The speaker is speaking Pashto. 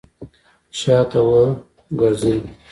شاته وګرځئ!